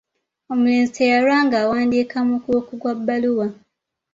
Omulenzi teyalwa ng’awandiika mukuuku gwa bbaluwa.